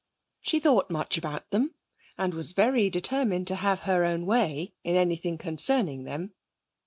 She thought much about them, and was very determined to have her own way in anything concerning them.